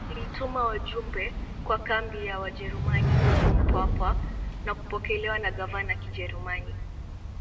alituma wajumbe kwa kambi ya Wajerumani huko Mpwapwa na kupokelewa na gavana kijerumani